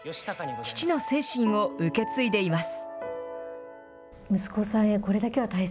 父の精神を受け継いでいます。